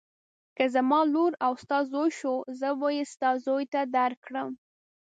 که زما لور او ستا زوی شو زه به یې ستا زوی ته درکړم.